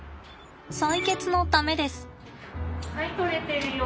採血のためです。